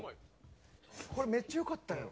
「これめっちゃ良かったんよ」